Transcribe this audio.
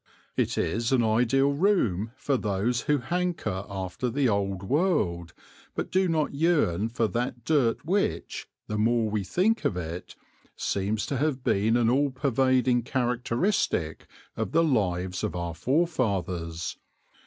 It is an ideal room for those who hanker after the old world, but do not yearn for that dirt which, the more we think of it, seems to have been an all pervading characteristic of the lives of our forefathers.